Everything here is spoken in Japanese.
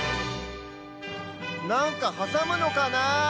なんかはさむのかなあ？